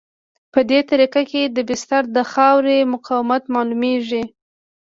په دې طریقه کې د بستر د خاورې مقاومت معلومیږي